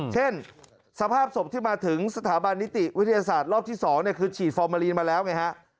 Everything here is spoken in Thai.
สภาพศพที่มาถึงสถาบันนิติวิทยาศาสตร์รอบที่๒คือฉีดฟอร์มาลีนมาแล้วไงฮะ